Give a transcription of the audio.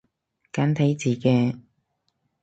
簡體字嘅